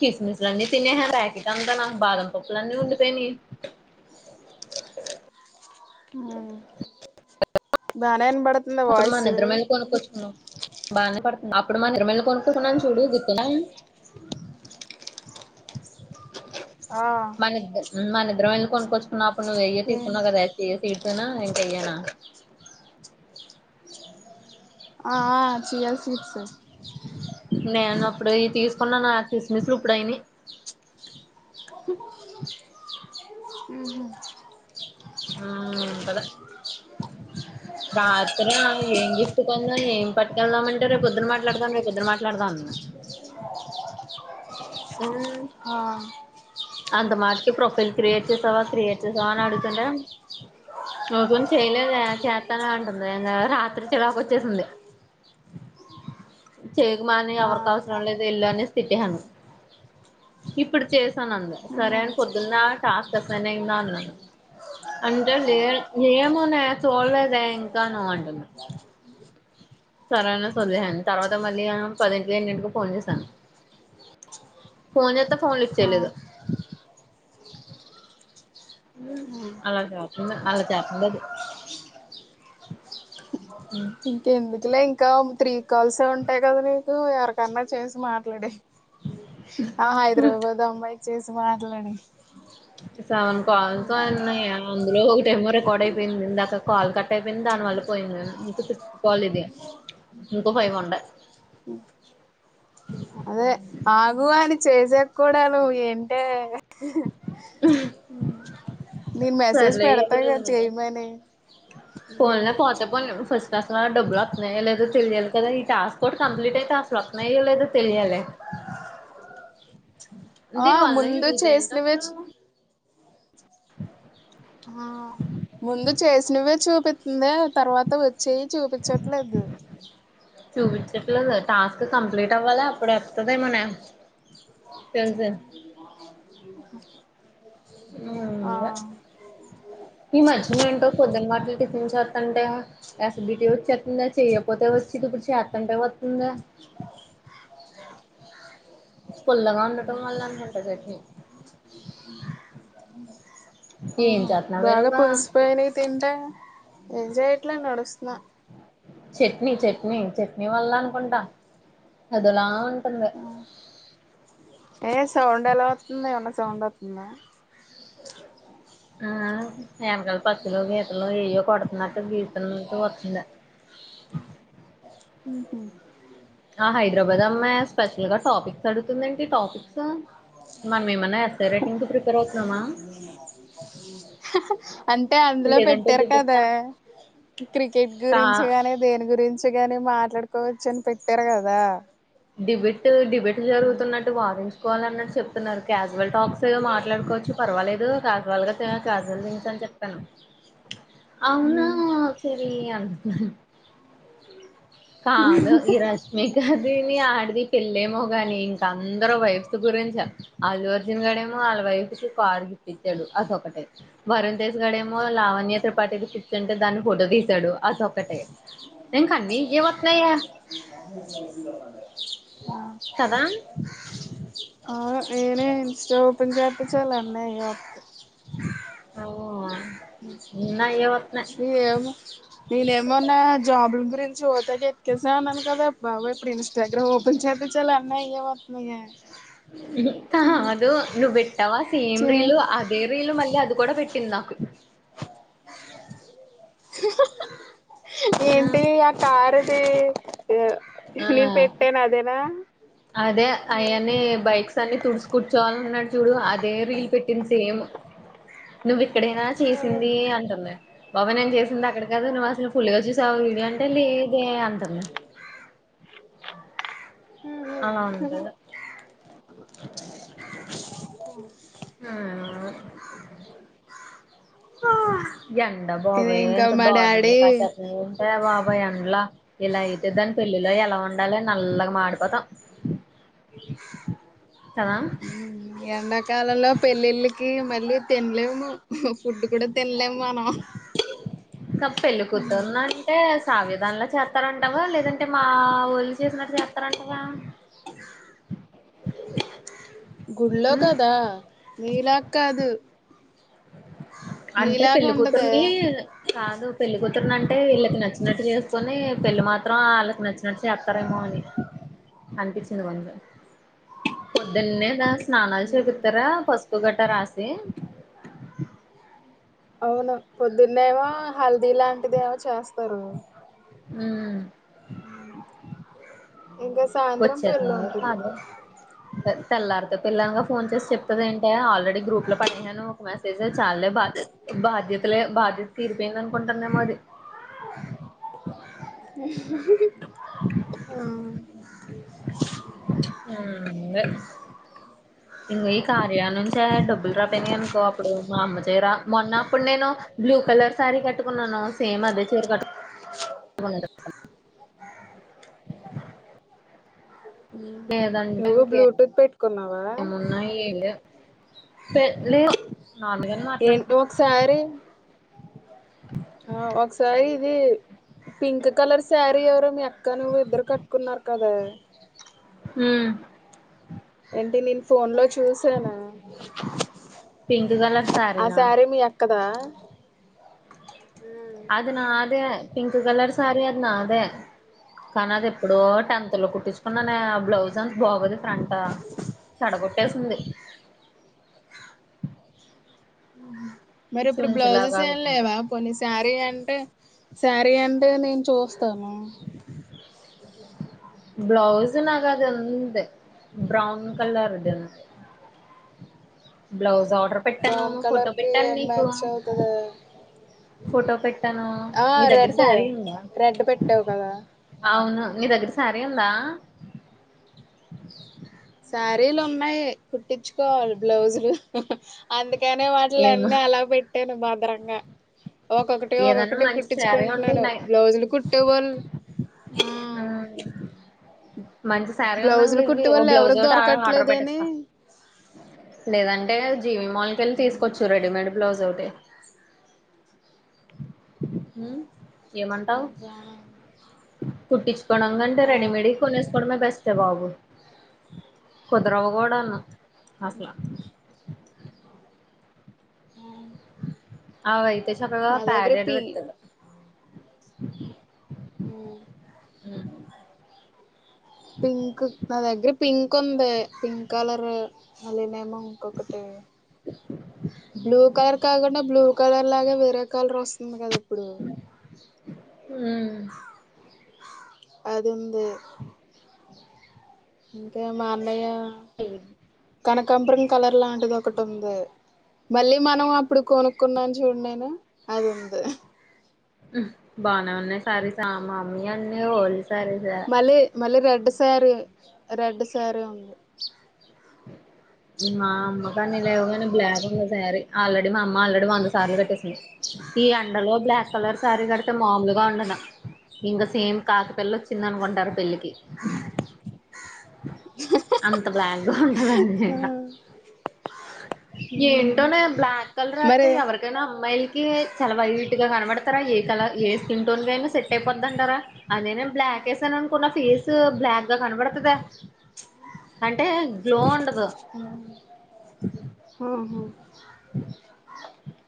కిస్మిస్లండి తినే హ ప్యాకిటంతనా బాదమ్ పొప్పులాన్న ఉండి పేనే ఆ బా అప్పుడు మా నిద్రమెల్లి కొనుక్కొచ్చుకున్నాం బానే పడుతున్నా అప్పుడు మా నిద్ర మెల్లి కొనుక్కోచుకున్నం చూడు గుతున్నాయా ఆ మా నిద్రం వెళ్ళి కొనుక్కొచ్చుకున్న అప్పుడు నువ్వు వెయ్య ఏ తీకున్నావు కదా చియ సీడ్నానా ఇంక ఇయ్యానా ఆ ఆ చియా సీడ్స్ నేను అప్పుడు తీసుకున్నా నా క్రిస్మిస్లు ఇప్పుడు అయిని ఆ ఇవ్వలే రాత్రి ఆ ఏం గిఫ్ట్ కొందాం ఏం పట్టుకెళ్దాంమంటే రేపోద్దున మాట్లాడదాం రేపొద్దున మాట్లాడదాం అంది గం ఆ అంత మాటకి ప్రొఫైల్ క్రియేట్ చేసావా క్రియేట్ చేసావా అని అడుగుతుంటే ఒపెన్ చేయలేద చేతానా అంటుందింకా రాత్రి చిరాకు వచ్చేసింది చేకుమాని ఆ ఎవర్కవసరం లేదు ఎళనేసీ తిట్టేసాను ఇప్పుడు చేసాను అంద సరే అని పొద్దున్న టాస్క్ అసైన్ అయిందా అన్నాను అంటే లే నఏమోనే చోలేదే ఇంకాను అంటున్ది సరే అన్న సోలేహాని తర్వాత మళ్ళీ ఇగ పదిటికో ఏన్నింటికో ఫోన్ చేశాను ఫోన్ జెతే ఫోన్ లిఫ్ట్ ఆ చేలేదు ఊ అలా చేతుందా అలా చేపుండదు ఇంకెందుకులే ఇంకా త్రీ కాల్సే ఉంటాయి కదా నీకు ఎవరికన్నా చేసి మాట్లాడే ఆ హైదరాబాద్ అమ్మాయికి చేసి మాట్లాడు సవన్ కాల్ సో అన్నాయా అందులో ఒక టైమ రికార్డ్ అయిపోయింది ఇందాకా కాల్ కట్ అయిపోయింది దా మళ్ళీ పోయింది సిక్స్ కాల్ ఇది ఇంకా ఫైవ్ ఉండే అదే ఆగు అని చేసా కూడాలు ఏంటే నేను మెసేజ్ సర్లే పెడతా కదా ఏదిలేదులే చేయమని పోన్లే పోతే పోని ఫస్ట్ కసలు డబ్బులు వతున్నాయో లేదో తెలియాలి కదా ఈ టాస్క్ ఒటి కంప్లీట్ అయితే అసల్ ఒ నయోలేదో తెలియాలే ఆ ముందు ఏంటంట చేసినవే చి ఆ ముందు చేసినవే చూపిస్తుంది తర్వాత వచ్చేయి చూపించట్లేదు చూపించట్లేదు టాస్క్ కంప్లీట్ అవ్వాలి అప్పుడు వతదేమోనే తెల్సే ఆ అ ఈ మధ్యన ఏంటో కొద్న మాటలు టిఫిన్ చేస్తంటే యాసిడిటీ వచ్చిస్తుందా చెయ్యపోతే వచ్చిది ఇప్పుడు చేతంటే వతుందా పుల్లగా ఉండటం వల్ల అనుకుంటా చట్నీ ఏం చేస్తున్నావే బాగా నువ్వు పులిసిపోయినే తింటా ఎంజాయ్యిట్లా అడుస్తుిన చట్నీ చట్నీ చట్నీ వల్ల అనుకుంటా అదలా ఉంటంద ఏ సౌండ్ ఎలా అవుతుంది ఏమన్న సౌండ్ అవుతుందా ఆ వెనకాల పచ్చులు గీతలో ఏయ్యో కొడుతున్నట్టు గీతల నుంూ వస్తుంద ఆ హైదరాబాద్ అమ్మాయి స్పెషల్ గా టాపిక్స్ అడుతుందండి టాపిక్స్ మన ఏమన్నా వస్తారేట్ ఇంక ప్రిపేర్ అవుతున్నామా అంటే అందులో లేదంటే పెట్టారు కదా డిబెట్టా క్రికెట్ కా గురించి గాని దేని గురించి గాని మాట్లాడుకోవచ్చు అని పెట్టారు కదా డిబెట్ డిబెట్ జరుగుతున్నట్టు వారి కోవాలన్నటు చెప్తున్నారు క్యాజువల్ టక్స్ ఏో మాట్లాడుకోవచ్చు పర్వాలదు కాజువల్గా క్యాజువల్ థిక్స్ చెప్పను ఉ అవునా సర అంట కాదు ఈ రష్మికదిని ఆడిది పళ్లి ళ్ళలేమో కాని ఇంక అందరు వైఫ్ గురించ ఆదిు అర్జున్ గడేమో వాళ్ళ వైఫ్కి కార్గి పించాడు అదొకటే వరుణ్సుగాడేమో లావణ్యయత్ర పాటిది కూర్చుంటే దాన్ని ఫోటో తీసాడు అతొక్కటే ఇంకాన్నీ ఏ వతున్నాయా కదా ఆ నేనే ఇన్స్టా ఓపెన్ చేప చాల అన్న అయ వ ఆ నా అయ్యే వత్తున్నాయి స నేనే ఏమన్నా జాబల గురించి ఓతగా ఎత్క్కేసా అన్నాను కదా బాబా ఇప్పు ఇస్టాగ్రామ్ ఓపెన్ చే ది చలన్నా ఎవతన్నా అదు నువ్వు పెట్టవా సేమ్ చే రీలు అదే రీలు మళ్ళీ అది కూడా పెట్ట కన్నా ఏంటి ఆ కారుది నన్ ఆ! పెట్టేన అదేనా అదే అయన్న బైక్స్ అన్ని తుడుసు కూర్చోవాలన్నాడు చూడు అది గేరల్ పెటింది సేమ్ నువ్వు ఇక్కడేదనా చేసింది అంటుంది బాబా నేను చేసింది అక్కడ కదా నువ్వు అసలు ఫుల్గా చూసి సౌడి అంటే లేదే అంటంది ఆ ఉంట ఆ ఎండా ఇది బాబు ఇంకా ఎంత మా దారుణంగా డాడీ కాశ ఎంత బాబ అబయ అండ్లా ఇలా అయితే దాని పెళ్లిిలో ఎలా ఉండాలి నల్లగా మాడిపోతాం కదా ఎండాకాలంలో పెళ్ళిళ్ళకి మళ్ళీ తినలేము ఫుడ్ కూడా తినలేము మనం కప్పెలు కుతున్నా అంటే సావి దానిలో చేస్తారంటావా లేదంటే మా ఒళ్ళు చేసినట్టు చేస్తారంటావా గుళ్లో ఉమ్ కదా నీలా కాదు అంటే మీలాగ పెళ్లి ఉండదే కూతురిని కాదు పెళ్లి కూతురున అంటే వీళ్ళకి నచ్చినట్టు చేసుకొని పెళ్ళలి మాత్రం వాళ్ళకి నచ్చినట్టు చెప్తారేమో అనిపించింది [unintelligible] పొద్దున్నేద స్నానాలు చేపిత్తారా పసుపు గట్ట రాసి అవునా పొద్దున్నే వో హల్దీ లాంటిదేవో చేస్తారు ఉమ్ ఇంకా సాయంత్రం పెళ్ళి వచ్చేతుంది ఉంటది [unintelligible] తెల్లారితే పిల్లనిగా ఫోన్ చేసి చెప్తాది ఏంటే ఆల్రెడీ గ్రూప్లో పడినను ఒక మెసేజ్ స చాల్లే బా బాధ్యతలే బాధ్యత తీరిపోయింది అనుకుంటుందేమో అది ఉహుహు ఉమ్ ఉమ్ ఇంగ ఈ కార్య నుంచే డబ్బులు రాపోయినాయి అనుకో అప్పుడు మా అమ్మ చీర మొన్న అప్పుడు నేను బ్లూ కలర్ శారీ కట్టుకున్నాను సేమ్ అదే చీర [unintelligible] ఉమ్ లేదంటే నువ్వు బ్లూటూత్ పెట్టుకున్నావా పెళ్లి నాన్నగారితో ఏంటి మాట్లాడుతున్నా ఒకసారి ఆ ఒకసారి ఇది పింక్ కలర్ శారీ ఎవరో మీ అక్క నువ్వు ఇద్దరు కట్టుకున్నారు కదా ఉమ్ అంటే నేను ఫోన్ లో చూసానా పింక్ కలర్ ఆ శారీనా శారీ మీ అక్కదా అది నాదే పింక్ కలర్ సారీ అది నాదే కానీ అది ఎప్పుడో టెన్త్ లో కుట్టించుకున్నానే ఆ బ్లౌజ్ అంత బాగోదే ఫ్రంట్ చెడగొట్టేసింది మరి ఇప్పుడు బ్లౌజెస్ చుంచులాగా ఏమి కుట్టింది లేవా కొన్ని సారీ అంటే సారీ అంటే నేను చూస్తాను [unintelligible] నాగా అది ఉన్నింది ఎంత బ్రౌన్ కలర్ది అంతే బ్లౌజ్ ఆర్డర్ పెట్టాను బ్రౌన్ ఫోటో కలర్ కి పెట్టాను ఏం నీకు మ్యాచ్ అవుతది ఫోటో పెట్ట టాను ఆ మీ దగ్గర రెడ్ సారీ ఉందా రెడ్ పెట్టావు కదా అవును నీ దగ్గర సారీ ఉందా శారీలు ఉన్నాయి కుట్టించుకోవాలి బ్లౌజులు అందుక కానే ఏమో వాటిలన్నీ అలా పెట్టాను భద్రంగా ఒకొక్కటి ఏదన్నా ఒకోక్కటి మంచి శారీ ఉంటే కుట్టించుకుంటున్నాను నా బ్లౌజులు కుట్టేవాళ్ళు ఆ మంచి శారీ ఉందానికి బ్లౌజులు ఇవి కుట్టే ఓ వాళ్ళు ఎవరు బ్లౌజ్ ఒకటి [unintelligible] ఆర్డర్ దొరకట్లేదని పెట్టేస్తా లేదం డెనెర్జి మేము మాల్కెళ్ళి తీసుకోచ్చు రెడీమేడ్ బ్లౌజ్ ఒకటి ఉమ్ ఉమ్ జాన్ కుట్టించుకోవడం కంటే రెడీమేడ్ కొనేసుకోవడమే బెస్ట్ అంతే బాబు కుదరవకూడాను అట్లా అవయితే చక్కగా నా దగ్గర ప్యాడడు పి వెత్తలు ఉమ్ పింక్ నా దగ్ మరి పింక్ ఉంది పింక్ కలర్ మళ్ళనే ఏమో ఇంకొకటి బ్లూ కలర్ కాకుండా బ్లూ కలర్ లాగే వేరే కలర్ వస్తుంది కద ఇప్పుడు అది ఇ ఇంకేం మా అన్నయ్య ఇవి కనకాంబ్రన్ కలర్ లాంటిది ఒకటి ఉంది మళ్ళీ మనం అప్పుడు కొనుక్కున్నాం చూడండి నేను అది ఉంది ఉమ్ బానే ఉన్నాయి శారీస్ మా మమ్మీ అన్ని ఓల్డ్ సారీస్ ఏ మళ్ళీ మళ్ళీ రెడ్ సారీ రెడ్ సారీ ఉంది మా అమ్మ కాని లేవుగా బ్లాక్ ఉంది శారీ ఆల్రెడీ మా అమ్మ ఆల్రెడీ వంద సార్లు కట్టేసింది ఈ ఎండలో బ్లాక్ కలర్ శారీ కడితే మాములుగా ఉండను ఇంకా సేమ్ కాకిపిల్ల వచ్చింది అనుకుంటారు పెళ్లిికి అంత బ్లాక్ గా ఉంటుదండి ఏంటోనే బ్లాక్ కలర్ వస్తే మరి ఎవరికైనా అమ్మాయిలకి చాలా వైట్ గా కనబడతారా ఏ కలర్ ఏ స్కిన్ టోన్ కి అయినా సెట్ అయిపోతుంటారా అదేనా బ్లాక్ బ్లాక్కేసా అనుకున్న ఫేస్ బ్లాక్ గా కనబడుతుందా అంటే గ్లో ఉండదు ఓహో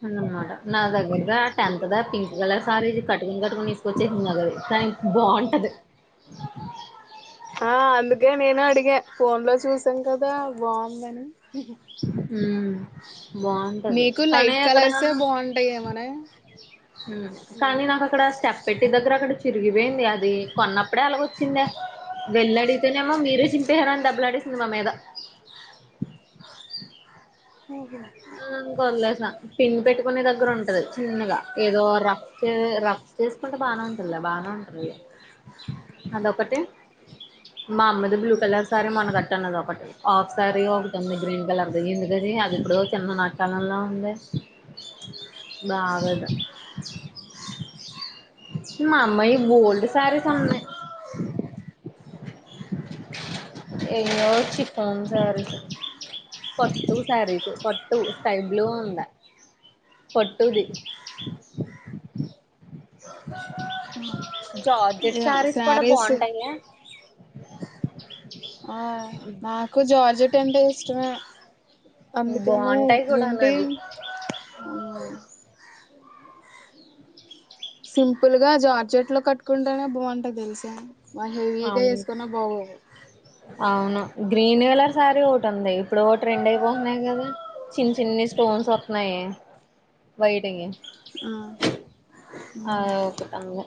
అద అనమాట నా దగ్గరద టెన్త్ ద పింక్ కలర్ సారీ కట్కొని కట్కొని ఇసుకొచ్చేసింది నాకది దానికి బాగుంటది ఆ అందుకే నేను అడిగా ఫోన్ లో చూసాం కదా బాగున్నాను ఉమ్ బాగుంటది నీకు కానీ లైట్ అక్కడ కలర్సే ఉమ్ బాగుంటాయేమోనే కానీ నాకు అక్కడ స్టెప్ పెట్టి దగ్గర అక్కడ చిరిగిపోయింది అది కొన్నప్పుడే అలాగ వచ్చిందే వెళ్ళి అడిగితేనేమో మీరే చింపేశారని డబ్బులు అడిస్తుంది మామ మీద ఊ ఇంక వదిలేసా పిన్ పెట్టుకోనే దగ్గర ఉంటది చిన్నగా ఏదో రఫ్ రఫ్ చేసుకుంటే బానే ఉ బానే ఉంటాది అదొకటి మా అమ్మది బ్లూ కలర్ సారీ మొన్న కట్టను అదొకటి హాఫ్ సారీ ఒకటుంది గ్రీన్ కలర్ ది ఎందుక ఇది అది ఎప్పుడో చిన్న నాట్యాకలలా ఉంది బాగోదు మా అమ్మయి బోల్డ్ శారీస్ ఉన్నాయి ఎయో చిఫ్ఫాన్ శారీస్ పట్టు శారీస్ పట్టు స్కై బ్లూ ఉందా పట్టుది జార్జెట్ శారీస్ కూడా బాగుంటాయి లే ఆ నాకు జార్జట్ అంటే ఇష్టమే అందుకనే బాగుంటాయి కూడాను ఏంటి అవి సింపుల్ గా జార్జెట్ లో కట్టుకుంటేనే బాగుంటాది తెలుసా అంత హెవీగా అవును వేసుకున్న బాగోవు అవును గ్రీన్ కలర్ శారీ ఒకటి ఉంది ఇప్పుడు ఓ ట్రెండ్ అయిపోతున్నాయి కదా చిన్ని చిన్ని స్టోన్స్ వస్తున్నాయి వైట్ గా ఆ ఒకటి ఉంది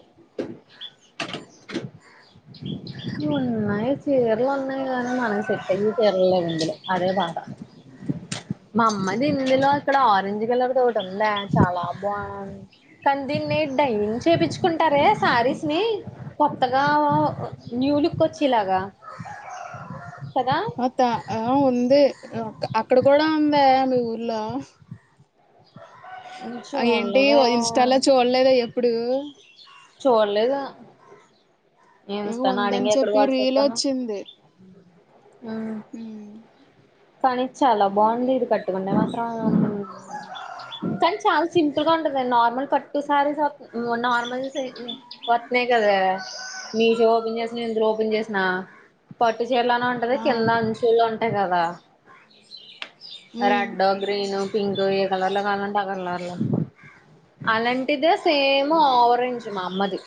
ఉన్నాయి చీరలున్నాయి కానీ మనకు సెట్టయె చీరలు లేవు ఇందులో అదే బాధ మా అమ్మ ది ఇందులో అక్కడ ఆరెంజ్ కలర్ ది ఒకటుందే చాలా బాన్ కానీ దీన్ని నడైయింగ్ చేపిచ్చుకుంటారే శారీస్ ని కొత్తగా ఆ ఊ న్యూ లుక్ వచ్చేలాగా కదా అతా అ వుంది అక్కడ కూడా ఉందా మీ ఊర్లో అ ఏంటి చూడలేదే ఇన్స్టాలో చూడలేదా ఎప్పుడు చూడలేదు ఏం ఇన్స్టాను ఉందని అడిగి ఎక్కడ చెప్పి రీల్ వాట్సప్తాను వచ్చింది ఊమ్ కానీ చాలా బాగుంది ఇది కట్టుకుంటే మాత్రం కానీ చాలా సింపుల్ సింపుల్ గా ఉంటది నార్మల్ పట్టు సారీస్ నార్మల్ సైజు వత్నియ్యి కదే మీ షో ఓపెన్ చేసిన ఇందులో ఓపెన్ చేసిన ప పట్టు చీరలోనే ఉంటది ఆ కింద అంచులో ఉంటాయి కదా ఉమ్, రెడ్ గ్రీను పింక్ ఏ కలర్లో కావాలంటే ఆ కలర్లో అలాంటిదే సేమ్ ఆరెంజ్ మా అమ్మది.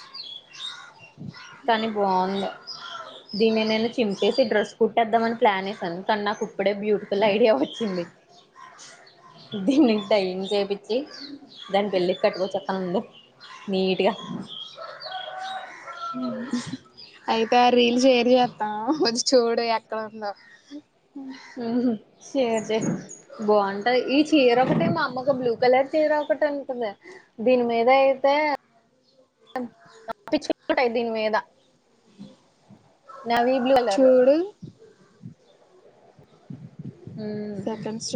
కాని బావుంది. దీన్ని నేను చింపేసి డ్రెస్ కుట్టేద్దామని ప్లానేసాను కానీ నాకు ఇప్పుడే బ్యూటిఫుల్ ఐడియా వచ్ చ్చింది. దీన్ని టైయింగ్ చేపిచ్చి దాని పెళ్ళి కట్టుకోచ్ఛేత్త నుండు నీటిగా మ్ అయితే ఆ రీల్ షేర్ చేస్తా కొద్దిగ చూడు ఎక్కడుందో మ్ హూ షేర్ చెయ్ బాగుంటాది ఈ చీర ఒకటి మా అమ్మకి బ్లూ కలర్ చీర ఒకటి ఉంటుంది. దీని మీదయితే [unintelligible] దీన్మిద నావి బ్లూ కలర్ చూడు సెకండ్స్ మ్.